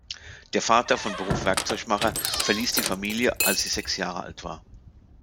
Der Vater, von Beruf Werkzeugmacher, verließ die Familie, als sie sechs Jahre alt war.